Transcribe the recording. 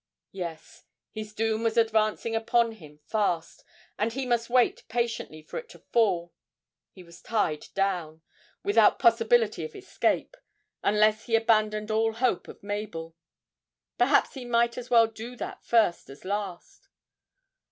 Yes, his doom was advancing upon him fast, and he must wait patiently for it to fall; he was tied down, without possibility of escape, unless he abandoned all hope of Mabel. Perhaps he might as well do that first as last.